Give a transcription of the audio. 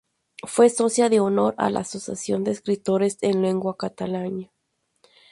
Fue socia de honor de la Asociación de Escritores en Lengua Catalana.